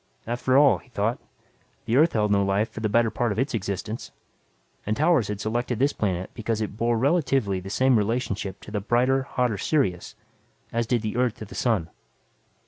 After all, he thought, the Earth held no life for the better part of its existence. And Towers had selected this planet because it bore relatively the same relationship to the brighter, hotter Sirius as did the Earth to the sun.